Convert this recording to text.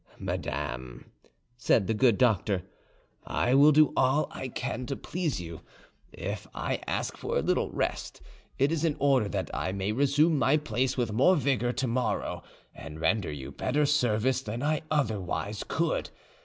"Madame," said the good doctor, "I will do all I can to please you. If I ask for a little rest, it is in order that I may resume my place with more vigour to morrow, and render you better service than I otherwise could.